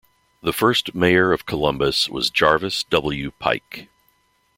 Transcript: The first mayor of Columbus was Jarvis W. Pike.